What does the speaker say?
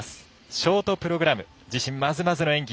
ショートプログラム自身、まずまずの演技。